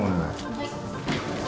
・はい。